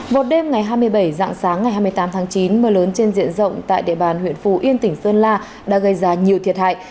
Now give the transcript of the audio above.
một đêm ngày hai mươi bảy dạng sáng ngày hai mươi tám tháng chín mưa lớn trên diện rộng tại địa bàn huyện phù yên tỉnh sơn la đã gây ra nhiều thiệt hại